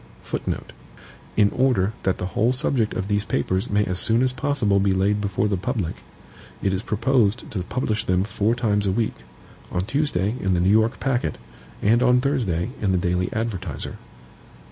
(2) PUBLIUS 1. Divide and command. 2. In order that the whole subject of these papers may as soon as possible be laid before the public, it is proposed to publish them four times a week on Tuesday in the New York Packet and on Thursday in the Daily Advertiser.